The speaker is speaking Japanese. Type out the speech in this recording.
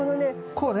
こうね。